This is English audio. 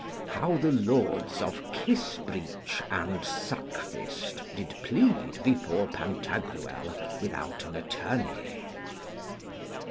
How the Lords of Kissbreech and Suckfist did plead before Pantagruel without an attorney.